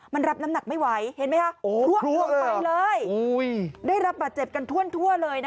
มันรับน้ำหนักไม่ไหวเห็นไหมคะ